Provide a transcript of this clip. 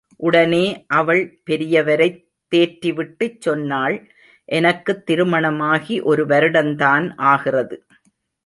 உடனே அவள் பெரியவரைத் தேற்றிவிட்டுச் சொன்னாள், எனக்குத் திருமணமாகி ஒரு வருடந்தான் ஆகிறது.